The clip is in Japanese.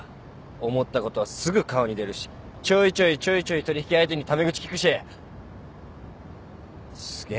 思ったことはすぐ顔に出るしちょいちょいちょいちょい取引相手にタメ口利くしすげえ。